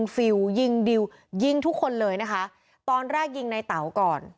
ฟิลยิงดิวยิงทุกคนเลยนะคะตอนแรกยิงในเต๋าก่อน